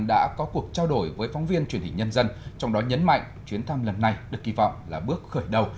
đã có cuộc trao đổi với phóng viên truyền hình nhân dân trong đó nhấn mạnh chuyến thăm lần này được kỳ vọng là bước khởi đầu